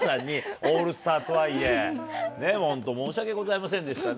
オールスターとはいえ、本当、申し訳ございませんでしたね。